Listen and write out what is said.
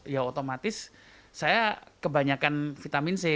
ya otomatis saya kebanyakan vitamin c